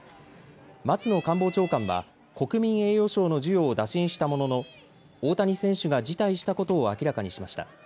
松野官房長官は国民栄誉賞の授与を打診したものの大谷選手が辞退したことを明らかにしました。